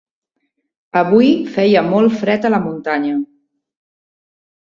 Avui feia molt fred a la muntanya.